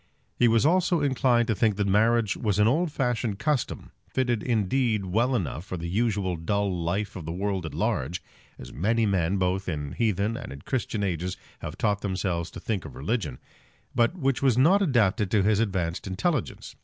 He was almost inclined to think that marriage was an old fashioned custom, fitted indeed well enough for the usual dull life of the world at large, as many men both in heathen and in Christian ages have taught themselves to think of religion, but which was not adapted to his advanced intelligence.